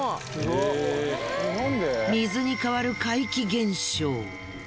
水に変わる怪奇現象。